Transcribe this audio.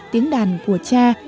tiếng đàn của cha